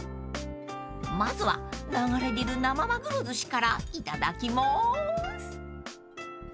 ［まずは流れ出る生マグロ寿司からいただきます］